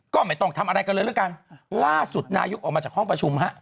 ก็ไม่ต้องทำอะไรกันเลยแล้วกันล่าสุดนายกออกมาจากห้องประชุมฮะ